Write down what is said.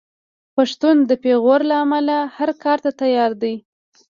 پښتون د پېغور له امله هر کار ته تیار دی.